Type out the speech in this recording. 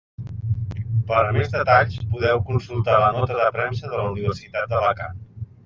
Per a més detalls, podeu consultar la Nota de Premsa de la Universitat d'Alacant.